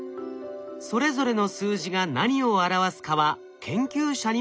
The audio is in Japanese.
それぞれの数字が何を表すかは研究者にも分からない。